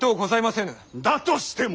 だとしても！